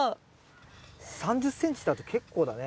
３０ｃｍだと結構だね。